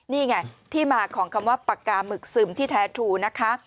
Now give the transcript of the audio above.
นี่ไงที่มาของคำว่าปากกาหมึกซึมที่แท้ทูนะคะ